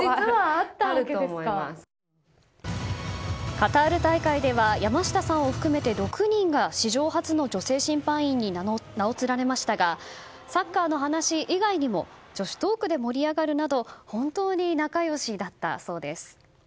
カタール大会では山下さんを含めて６人が史上初の女性審判員に名を連ねましたがサッカーの話以外にも女子トークで盛り上がるなど本当に仲良しだったそうです。